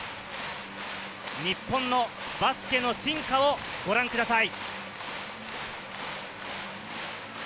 日本のバスケの進化をご覧ください。